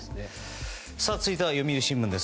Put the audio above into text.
続いては読売新聞。